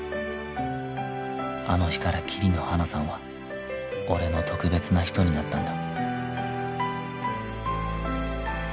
あの日から桐野花さんは俺の特別な人になったんだ